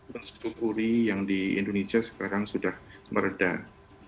mensyukuri yang di indonesia sekarang sudah meredah